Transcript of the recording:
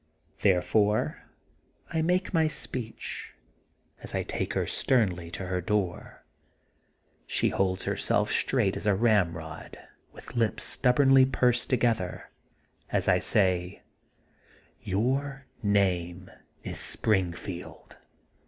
Therefore I make my speech, as I take her sternly to her door. She holds herself straight as a ramrod, with lips stubbornly pursed to gether, as I say: *' Your name is Springfield.